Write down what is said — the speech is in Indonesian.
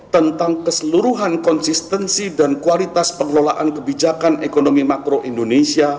tentang keseluruhan konsistensi dan kualitas pengelolaan kebijakan ekonomi makro indonesia